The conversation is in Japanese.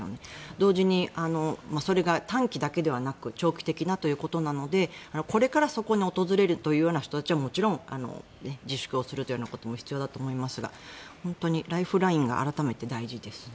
同時に、それが短期だけではなく長期的なということなのでこれからそこに訪れるというような人たちはもちろん自粛をするということも必要かと思いますが本当にライフラインが改めて大事ですね。